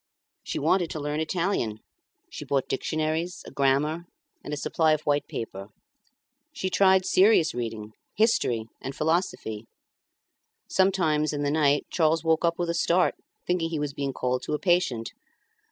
She wanted to learn Italian; she bought dictionaries, a grammar, and a supply of white paper. She tried serious reading, history, and philosophy. Sometimes in the night Charles woke up with a start, thinking he was being called to a patient.